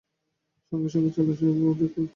সঙ্গে সঙ্গে চলল ওদের কুদৃষ্টি।